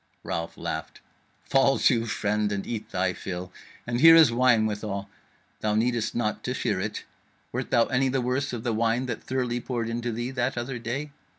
Ralph laughed: "Fall to, friend, and eat thy fill; and here is wine withal. Thou needest not to fear it. Wert thou any the worse of the wine that Thirly poured into thee that other day?"